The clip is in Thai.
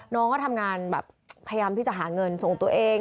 น้องก็ทำงานแบบพยายามที่จะหาเงินส่งตัวเอง